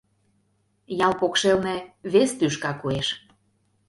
Ял покшелне вес тӱшка коеш.